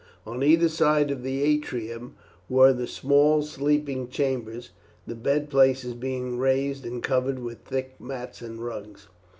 On either side of the atrium were the small sleeping chambers, the bed places being raised and covered with thick mats and rugs.